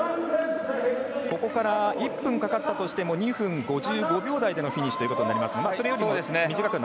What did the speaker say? ここから１分かかったとしても２分５５秒台でのフィニッシュということになります。